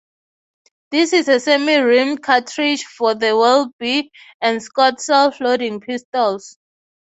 This is a semi-rimmed cartridge for the Webley and Scott Self Loading pistols.